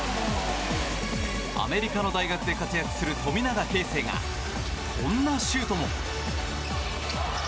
アメリカの大学で活躍する富永啓生が、こんなシュートも！